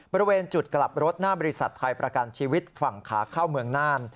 บริเวณจุดกลับรถหน้าบริษัทไทยประกันชีวิตฝั่งขาเข้าเมืองน่าน